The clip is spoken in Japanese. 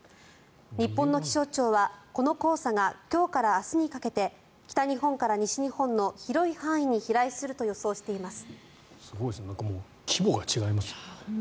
日本の気象庁はこの黄砂が今日から明日にかけて北日本から西日本の広い範囲に飛来すると予想しています。